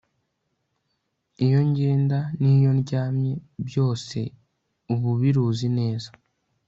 iyo ngenda n'iyo ndyamye, byose uba ubiruzi neza